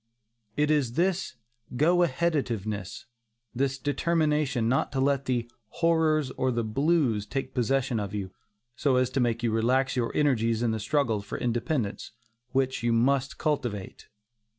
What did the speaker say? It is this go aheaditiveness, this determination not to let the "horrors" or the "blues" take possession of you, so as to make you relax your energies in the struggle for independence, which you must cultivate.